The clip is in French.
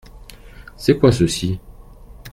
C’est quoi ceux-ci ?